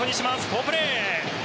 好プレー！